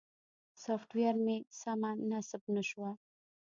سافټویر مې سمه نصب نه شوه.